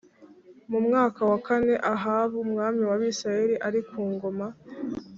Mu mwaka wa kane Ahabu umwami w’Abisirayeli ari ku ngoma